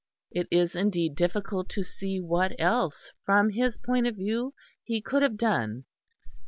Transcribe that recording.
It is indeed difficult to see what else, from his point of view, he could have done.